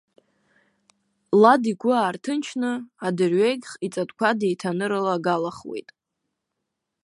Лад игәы аарҭынчны, адырҩегьх иҵатәқәа деиҭанрылагахуеит.